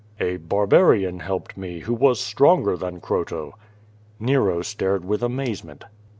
' "A Barbarian helped me, who was stronger than Croio." Xero stared with amazement.